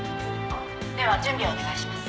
「では準備をお願いします」